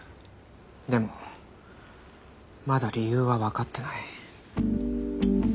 でもまだ理由はわかってない。